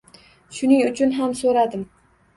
Shuning uchun ham so`radim